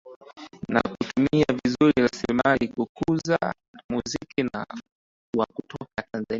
Na kutumia vizuri rasilimali kuukuza muziki wa kutoka Tanzania